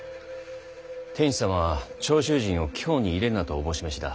天子様は長州人を京に入れるなと思し召しだ。